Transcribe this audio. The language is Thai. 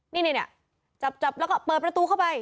นี่จับแล้วก็เปิดประตูเข้าไป